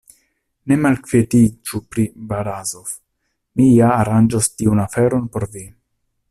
Ne malkvietiĝu pri Barazof; mi ja aranĝos tiun aferon por vi.